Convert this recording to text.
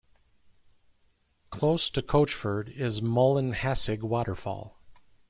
Close to Coachford is Mullinhassig Waterfall.